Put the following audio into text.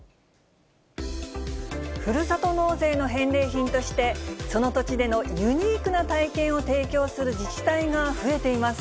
ふるさと納税の返礼品として、その土地でのユニークな体験を提供する自治体が増えています。